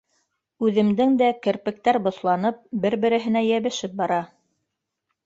Үҙемдең дә керпектәр боҫланып, бер-береһенә йәбешеп бара.